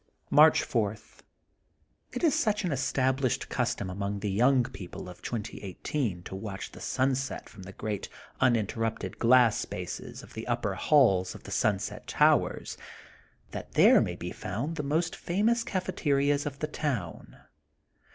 March 4: — It is such an established custom among the young people of 2018 to watch the sunset from the great uninterrupted glass spaces of the upper halls of these sunset towers that there may be found the most famous cafeterias of the town.